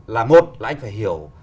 là một là anh phải hiểu